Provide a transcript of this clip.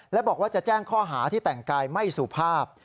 และบอกว่าจะแจ้งข้อหาที่แต่งกายไม่สุภาพ